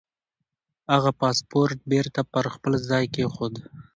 هغه پاسپورت بېرته پر خپل ځای کېښود.